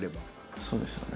そうですよね。